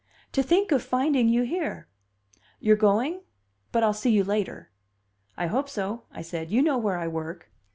"To think of finding you here! You're going? But I'll see you later?" "I hope so," I said. "You know where I work."